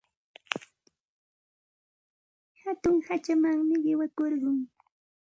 Hatun hachamanmi qiqakurqun.